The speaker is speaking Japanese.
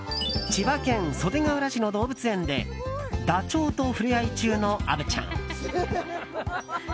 千葉県袖ケ浦市の動物園でダチョウと触れ合い中の虻ちゃん。